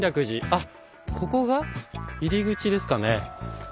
あっここが入り口ですかね。